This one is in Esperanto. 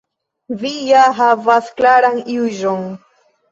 Vi ja havas klaran juĝon.